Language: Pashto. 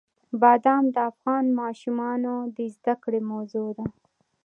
بادام د افغان ماشومانو د زده کړې موضوع ده.